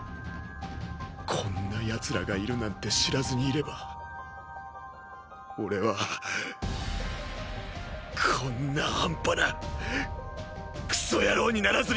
こんな奴らがいるなんて知らずにいれば俺はこんな半端なクソ野郎にならずにすんだのに。